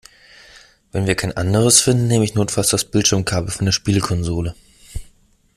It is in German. Wenn wir kein anderes finden, nehme ich notfalls das Bildschirmkabel von der Spielkonsole.